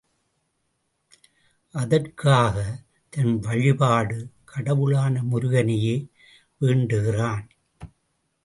அதற்காகத் தன் வழிபடு கடவுளான முருகனையே வேண்டுகிறான்.